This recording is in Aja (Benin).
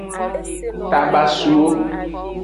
Tabasuwo.